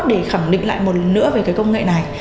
để khẳng định lại một lần nữa về cái công nghệ này